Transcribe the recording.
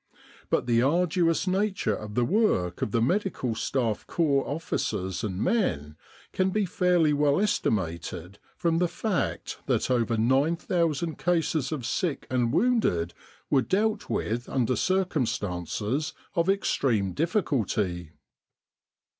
But the arduous nature of the work of the Medical Staff Corps officers and men can be fairly well estimated from the fact that over 9,000 cases of sick and wounded were dealt with under circum stances of extreme difficulty.